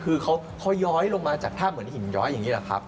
คือเขาย้อยลงมาจากถ้ำเหมือนหินย้อยอย่างนี้แหละครับ